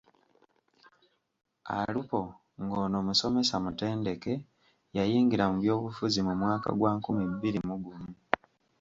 Alupo ng’ono musomesa mutendeke, yayingira mu byobufuzi mu mwaka gwa nkumi bbiri mu gumu.